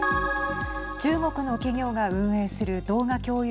中国の企業が運営する動画共有